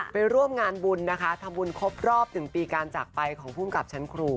ไปร่วมงานบุญนะคะทำบุญครบรอบ๑ปีการจากไปของภูมิกับชั้นครู